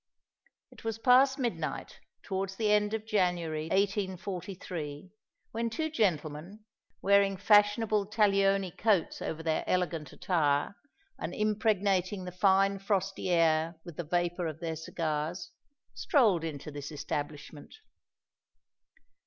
It was past midnight, towards the end of January, 1843, when two gentlemen, wearing fashionable Taglioni coats over their elegant attire, and impregnating the fine frosty air with the vapour of their cigars, strolled into this establishment.